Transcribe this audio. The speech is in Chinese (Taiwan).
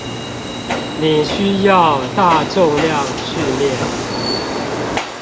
你需要大重量訓練